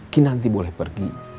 kinanti boleh pergi